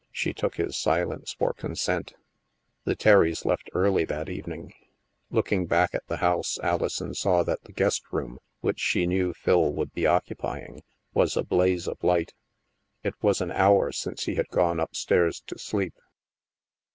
She took his silence for consent. The Terrys left early that evening. Looking back at the house, Alison saw that the guest room (which she knew Phil would be occupying) was a blaze of light. It was an hour since he had gone up stairs to sleep.